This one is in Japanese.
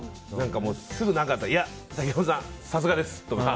すぐ何かあったら竹山さん、さすがです、とか。